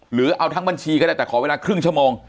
หรือเอาทั้งบัญชีก็ได้แต่ขอเวลาครึ่งชั่วโมง